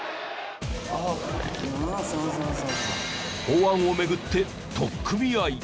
法案を巡って取っ組み合い。